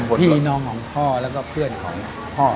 พี่น้องของพ่อแล้วก็เพื่อนของพ่อ